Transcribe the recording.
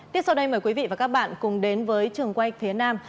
tiếp sau đây mời quý vị và các bạn cùng đến với trường quay phía nam